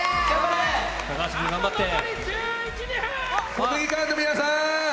国技館の皆さん。